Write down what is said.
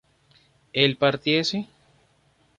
¿él partiese?